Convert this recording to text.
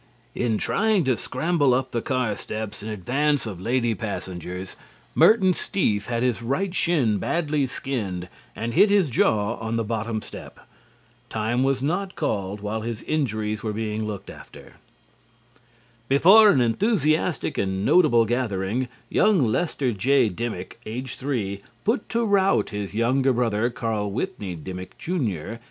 In trying to scramble up the car steps in advance of lady passengers, Merton Steef had his right shin badly skinned and hit his jaw on the bottom step. Time was not called while his injuries were being looked after. [Illustration: He was further aided by the breaks of the game.] Before an enthusiastic and notable gathering, young Lester J. Dimmik, age three, put to rout his younger brother, Carl Withney Dimmik, Jr.